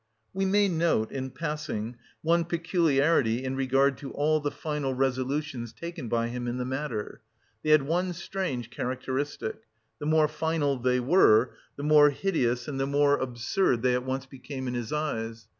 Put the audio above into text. We may note in passing, one peculiarity in regard to all the final resolutions taken by him in the matter; they had one strange characteristic: the more final they were, the more hideous and the more absurd they at once became in his eyes.